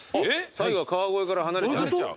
最後は川越から離れちゃう？